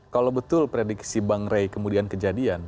kalau betul prediksi bang rey kemudian kejadian